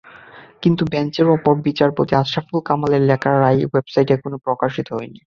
কিন্তু বেঞ্চের অপর বিচারপতি আশরাফুল কামালের লেখা রায় ওয়েবসাইটে এখনো প্রকাশিত হয়নি।